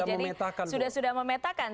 jangan jangan mereka sudah memetakan